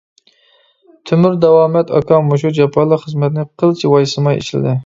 تۆمۈر داۋامەت ئاكا مۇشۇ جاپالىق خىزمەتنى قىلچە ۋايسىماي ئىشلىدى.